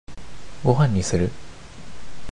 ご飯にする？